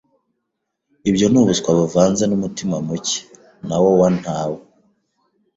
Ibyo n’ubuswa buvanze n’umutima mukenawo wa ntawo